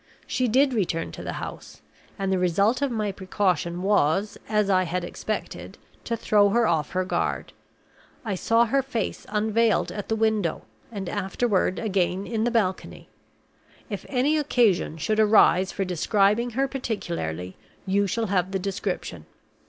She did return to the house; and the result of my precaution was, as I had expected, to throw her off her guard. I saw her face unveiled at the window, and afterward again in the balcony. If any occasion should arise for describing her particularly, you shall have the description.